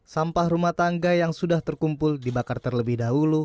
sampah rumah tangga yang sudah terkumpul dibakar terlebih dahulu